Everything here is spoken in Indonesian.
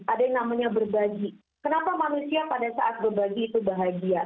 ada yang namanya berbagi kenapa manusia pada saat berbagi itu bahagia